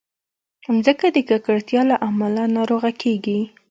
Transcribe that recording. مځکه د ککړتیا له امله ناروغه کېږي.